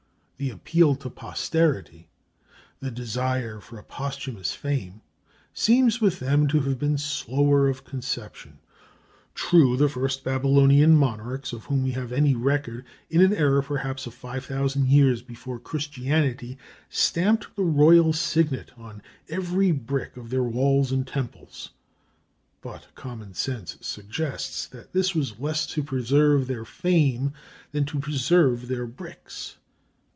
The "appeal to posterity," the desire for a posthumous fame, seems with them to have been slower of conception. True, the first Babylonian monarchs of whom we have any record, in an era perhaps over five thousand years before Christianity, stamped the royal signet on every brick of their walls and temples. But common sense suggests that this was less to preserve their fame than to preserve their bricks.